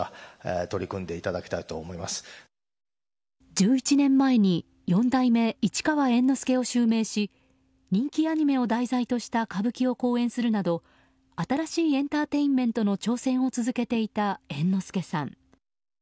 １１年前に四代目市川猿之助を襲名し人気アニメを題材とした歌舞伎を公演するなど新しいエンターテインメントの挑戦を続けていた猿之助さん。